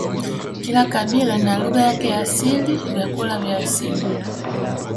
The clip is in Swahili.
Kila kabila lina lugha yake ya asili vyakula vya asili